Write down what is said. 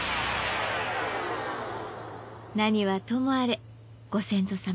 何はともあれご先祖様